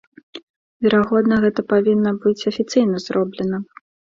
Верагодна, гэта павінна быць афіцыйна зроблена.